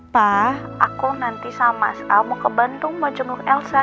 pak aku nanti sama mau ke bandung mau jenuk elsa